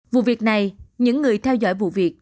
vụ việc này những người theo dõi bộ phim này